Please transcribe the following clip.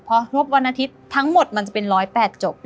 เพราะงบวันอาทิตย์ทั้งหมดมันจะเป็น๑๐๘จบ